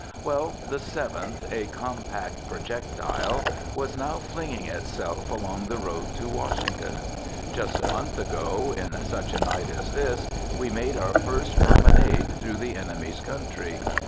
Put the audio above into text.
Well, the Seventh, a compact projectile, was now flinging itself along the road to Washington. Just a month ago, "in such a night as this," we made our first promenade through the enemy's country.